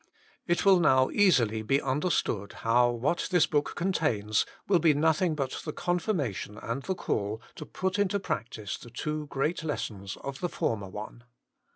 It will now easily be understood how what this book contains will be nothing but the confirmation and the call to put into practice the two great lessons of the former one.